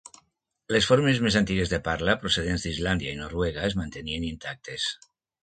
Les formes més antigues de parla, procedents d'Islàndia i Noruega, es mantenien intactes.